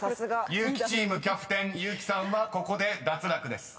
［結木チームキャプテン結木さんはここで脱落です。